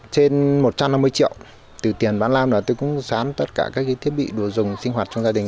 trên một trăm năm mươi triệu từ tiền bán lan rồi tôi cũng sán tất cả các thiết bị đồ dùng sinh hoạt trong gia đình